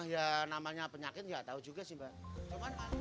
ya namanya penyakit nggak tahu juga sih mbak